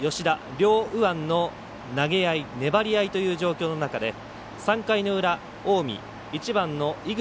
両右腕の投げ合い粘り合いという状況の中で３回の裏、近江１番の井口。